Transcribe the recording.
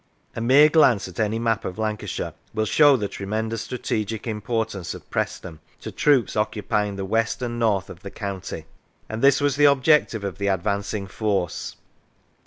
A mere glance at any map of Lancashire will show the tremendous strategic im portance of Preston to troops occupying the west and north of the county, and this was the objective of the advancing force.